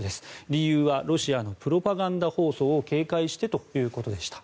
理由はロシアのプロパガンダ放送を警戒してということでした。